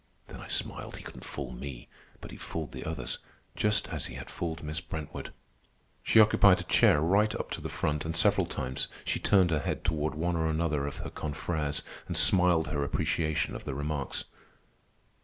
Then I smiled. He couldn't fool me. But he fooled the others, just as he had fooled Miss Brentwood. She occupied a chair right up to the front, and several times she turned her head toward one or another of her confrères and smiled her appreciation of the remarks.